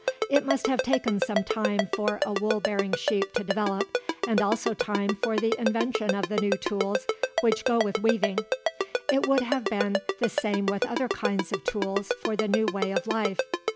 It must have taken some time for a wool bearing sheep to develop and also time for the invention of the new tools which go with weaving. It would have been the same with other kinds of tools for the new way of life.